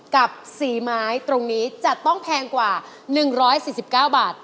กับ๔ไม้ตรงนี้จะต้องแพงกว่า๑๔๙บาท